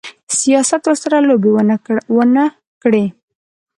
سیاست ورسره لوبې ونه کړي.